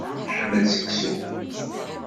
Iḥemmel seksu.